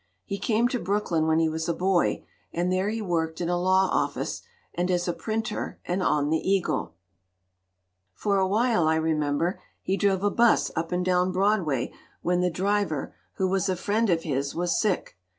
He came to Brooklyn when he was a boy, and there he worked in a law office, and as a printer and on the Eagle. "For a while, I remember, he drove a 'bus up and down Broadway when the driver, who was a friend of his, was sick.